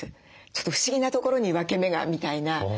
ちょっと不思議な所に分け目がみたいな。